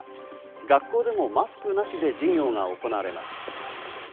学校でもマスクなしで授業が行われます。